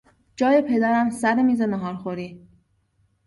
جای پدرم سر میز ناهارخوری